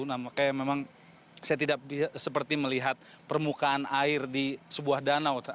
nah makanya memang saya tidak seperti melihat permukaan air di sebuah danau